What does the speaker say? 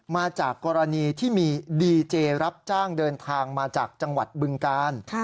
มาจากกรณีที่มีดีเจรับจ้างเดินทางมาจากจังหวัดบึงกาล